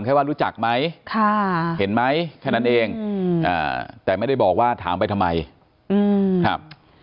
แค่ว่ารู้จักไหมเห็นไหมแค่นั้นเองแต่ไม่ได้บอกว่าถามไปทำไมครับ